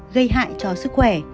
gây hại cho sức khỏe